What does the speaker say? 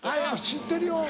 知ってるよ。